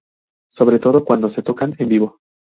Sobre todo cuando se tocan en vivo.